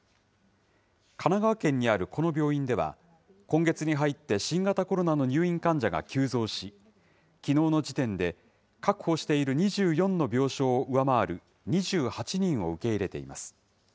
神奈川県にあるこの病院では、今月に入って、新型コロナの入院患者が急増し、きのうの時点で、確保している２４の病床を上回る２８人を受け入れています。